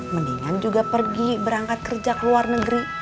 mendingan juga pergi berangkat kerja ke luar negeri